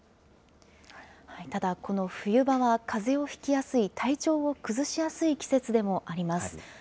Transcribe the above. ただ、この冬場はかぜをひきやすい、体調を崩しやすい季節でもあります。